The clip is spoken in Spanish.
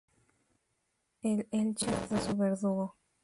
El Elche fue su verdugo.